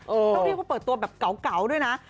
ต้องเรียกว่าเปิดตัวแบบเก่าด้วยนะ